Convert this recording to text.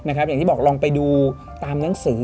อย่างที่บอกลองไปดูตามหนังสือ